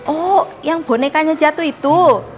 oh yang bonekanya jatuh itu